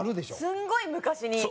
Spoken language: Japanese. すごい昔に。